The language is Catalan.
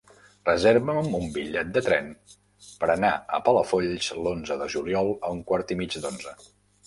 Reserva'm un bitllet de tren per anar a Palafolls l'onze de juliol a un quart i mig d'onze.